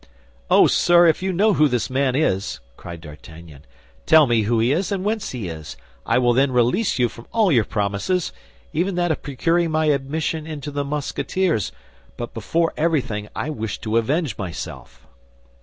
"Oh, sir, if you know who this man is," cried D'Artagnan, "tell me who he is, and whence he is. I will then release you from all your promises—even that of procuring my admission into the Musketeers; for before everything, I wish to avenge myself."